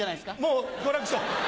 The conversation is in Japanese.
もう好楽師匠。